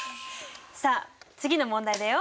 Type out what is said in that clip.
さあ次の問題だよ。